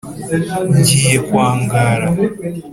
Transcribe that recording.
”ngiye kwa ngara“